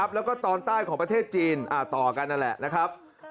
แล้วก็ตอนใต้ของประเทศจีนต่อกันนั่นแหละนะครับ